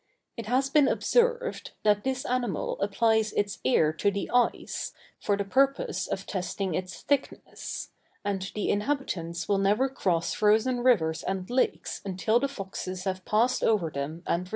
It has been observed, that this animal applies its ear to the ice, for the purpose of testing its thickness; and the inhabitants will never cross frozen rivers and lakes until the foxes have passed over them and returned.